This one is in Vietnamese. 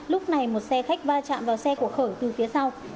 lúc này một xe khách va chạm vào xe của khởi từ phía sau